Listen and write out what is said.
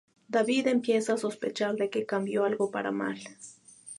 David empieza a sospechar de que cambió algo para mal.